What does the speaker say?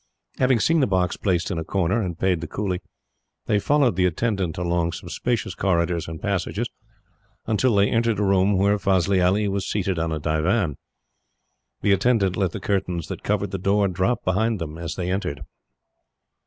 Having seen the box placed in a corner, and paid the coolie, they followed the attendant along some spacious corridors and passages, until they entered a room where Fazli Ali was seated on a divan. The attendant let the curtains that covered the door drop behind them, as they entered.